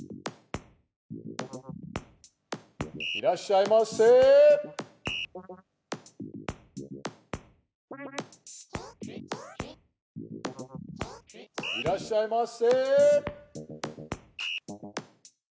いらっしゃいませ！